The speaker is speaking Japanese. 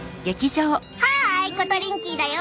はいコトリンキーだよ！